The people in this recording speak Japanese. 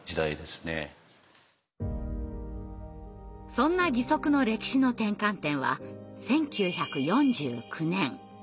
そんな義足の歴史の転換点は１９４９年。